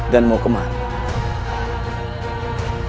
dan mau kemana